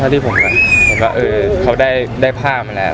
ที่ผมเห็นก็เออเขาได้ผ้ามาแล้ว